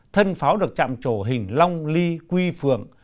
thân pháo được chạm trổ hình long ly quy phượng